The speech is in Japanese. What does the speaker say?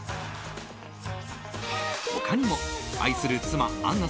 他にも、愛する妻あんな